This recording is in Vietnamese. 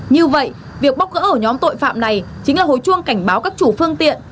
như vậy việc bóc gỡ ổ nhóm tội phạm này chính là hồi chuông cảnh báo các chủ phương tiện